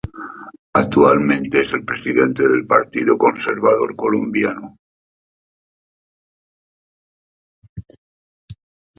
Actualmente es el Presidente del Partido Conservador Colombiano.